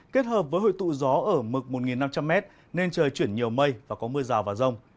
kết hợp với hội tụ gió ở mực một năm trăm linh m nên trời chuyển nhiều mây và có mưa rào và rông